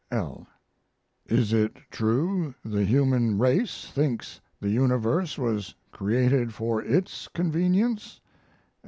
L. Is it true the human race thinks the universe was created for its convenience?